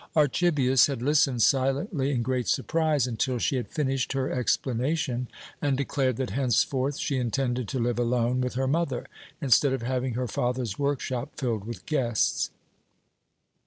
Archibius had listened silently in great surprise until she had finished her explanation and declared that henceforth she intended to live alone with her mother, instead of having her father's workshop filled with guests.